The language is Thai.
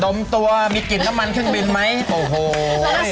มตัวมีกลิ่นน้ำมันเครื่องบินไหมโอ้โห